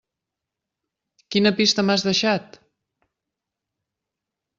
Quina pista m'has deixat?